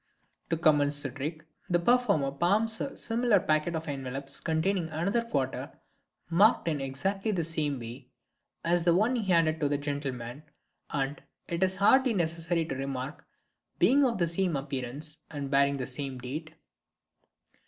To commence the trick the performer palms a similar packet of envelopes containing another quarter marked in exactly the same way as the one he handed to the gentleman, and, it is hardly necessary to remark, being of the same appearance, and bearing the same date.